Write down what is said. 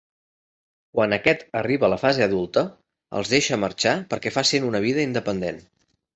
Quan aquest arriba a la fase adulta, els deixa marxar perquè facin una vida independent.